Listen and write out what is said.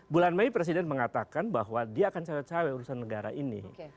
bulan mei presiden mengatakan bahwa dia akan cewek cewek urusan negara ini